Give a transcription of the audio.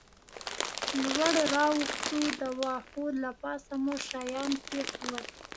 لوړ را وختو، د وښو له پاسه مو شیان کېښوول.